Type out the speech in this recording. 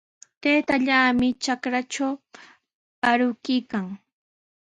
Taytallaami trakratraw arukuykan.